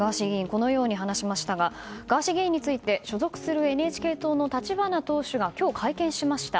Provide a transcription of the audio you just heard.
このように話しましたがガーシー議員について所属するＮＨＫ党の立花党首が今日、会見しました。